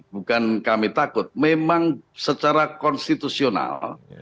bukan kami takut memang secara konstitusional